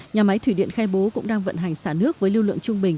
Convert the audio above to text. nhà máy thủy điện khe bố cũng đang vận hành xả nước với lưu lượng trung bình